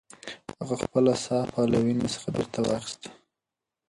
هغه خپله صافه له ونې څخه بېرته واخیسته.